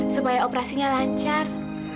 supaya operasinya lancar